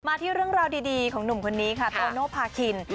ที่เรื่องราวดีของหนุ่มคนนี้ค่ะโตโนภาคิน